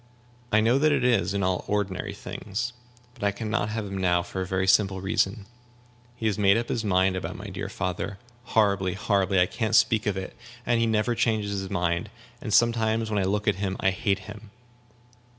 "I know that it is, in all ordinary things. But I can not have him now, for a very simple reason. He has made up his mind about my dear father horribly, horribly; I can't speak of it. And he never changes his mind; and sometimes when I look at him I hate him."